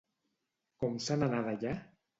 Com se n'anà d'allà?